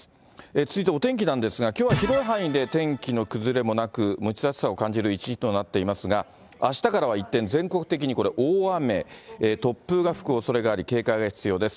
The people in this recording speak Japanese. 続いてお天気なんですが、きょうは広い範囲で天気の崩れもなく、蒸し暑さを感じる一日となっていますが、あしたからは一転、全国的にこれ、大雨、突風が吹くおそれがあり、警戒が必要です。